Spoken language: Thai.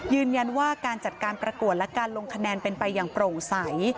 ยืนยันว่าการจัดการประกวดและการลงคะแนนเป็นไปอย่างโปร่งใส